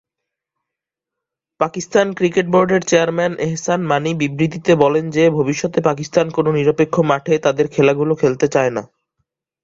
Pakistan cricket বোর্ডের chairman Ehsan Mani বিবৃতিতে বলেন যে, ভবিষ্যতে পাকিস্তান কোন নিরপেক্ষ মাঠে তাদের খেলাগুলো খেলতে চায় না।